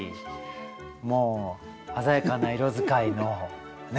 もう鮮やかな色使いのね？